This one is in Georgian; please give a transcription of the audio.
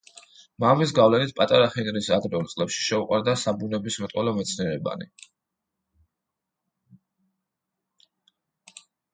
მამის გავლენით პატარა ჰენრის ადრეულ წლებში შეუყვარდა საბუნებისმეტყველო მეცნიერებანი.